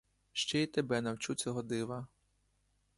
Ще й тебе навчу цього дива.